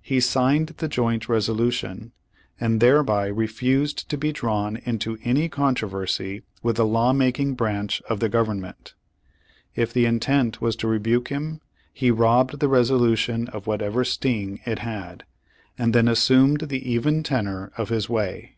He signed the joint resolution, and thereby refused to be drawn into any controversy with the law making branch of the Government. If the intent was to rebuke him, he robbed the resolution of whatever sting it had, and then assumed the even tenor of his way.